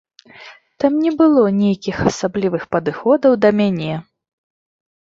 Там не было нейкіх асаблівых падыходаў да мяне.